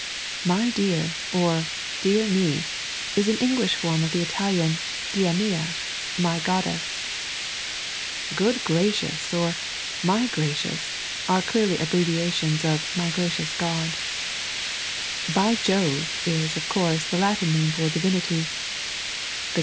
"My deaa " or "Dear me," is an English form of the Italian, Dia'mia, my goddess. " Good graoioua," or " My gracioua"\v.T% clearly abbrevia tions of " My graciotis God." "By Jove" is, of course, the Latin name for Divinity.